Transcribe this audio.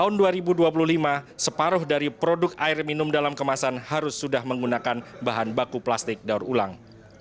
tahun dua ribu dua puluh lima separuh dari produk air minum dalam kemasan harus sudah menggunakan bahan baku plastik daur ulang